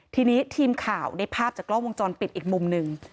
ทีนี้ทีมข่าวได้ภาพจากกล้องวงจรปิดอีกมุมหนึ่ง